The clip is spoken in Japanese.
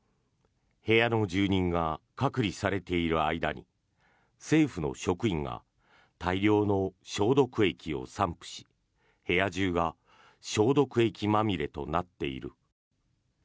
部屋の住人が隔離されている間に政府の職員が大量の消毒液を散布し部屋中が消毒液まみれとなっている。